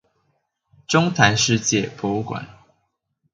中台世界博物館